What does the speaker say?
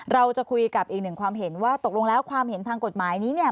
เราจะคุยกับอีกหนึ่งความเห็นว่าตกลงแล้วความเห็นทางกฎหมายนี้เนี่ย